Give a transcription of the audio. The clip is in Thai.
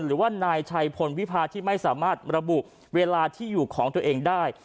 หรือว่านายชัยพลวิพาที่ไม่สามารถระบุเวลาที่อยู่ของตัวเองได้